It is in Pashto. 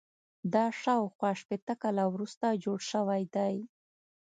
دا شاوخوا شپېته کاله وروسته جوړ شوی دی.